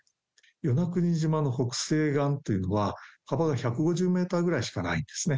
与那国島の北西岸というのは、幅が１５０メーターぐらいしかないんですね。